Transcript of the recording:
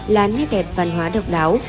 là nét đẹp văn hóa độc đáo